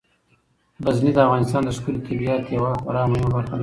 غزني د افغانستان د ښکلي طبیعت یوه خورا مهمه برخه ده.